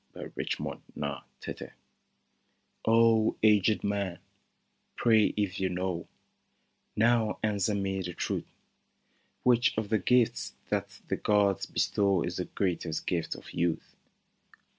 64 AN OPTIMIST «/'~\ AGED man, pray, if you know, Now answer me the truth !— Which of the gifts that the gods bestow Is the greatest gift of youth